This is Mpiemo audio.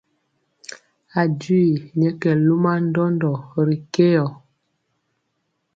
A jwii nyɛ kɛ luma ndɔndɔ ri keyɔ.